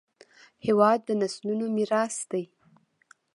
هېواد د نسلونو میراث دی.